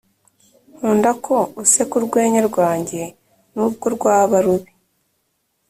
nkunda ko useka urwenya rwanjye nubwo rwaba rubi